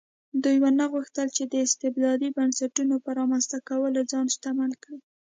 دوی ونه غوښتل چې د استبدادي بنسټونو په رامنځته کولو ځان شتمن کړي.